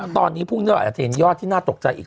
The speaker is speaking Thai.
ตอนนี้พรุ่งนี้เราอาจจะเห็นยอดที่น่าตกใจอีก